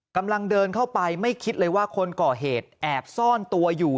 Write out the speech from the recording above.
กำลังเดินเข้าไปไม่คิดเลยว่าคนก่อเหตุแอบซ่อนตัวอยู่